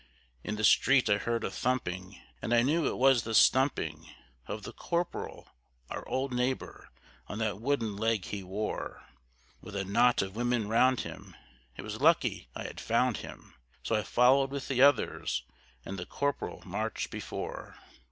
In the street I heard a thumping; and I knew it was the stumping Of the Corporal, our old neighbor, on that wooden leg he wore, With a knot of women round him, it was lucky I had found him, So I followed with the others, and the Corporal marched before.